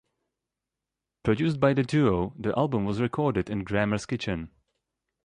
Produced by the duo, the album was recorded in Grammer's kitchen.